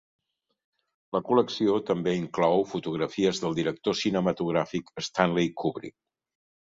La col·lecció també inclou fotografies del director cinematogràfic Stanley Kubrick.